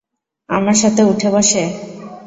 আমার সাথে উঠে বসে?